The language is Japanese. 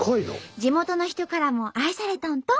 地元の人からも愛されとんと！